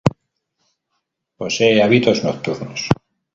Posee hábitos nocturnos.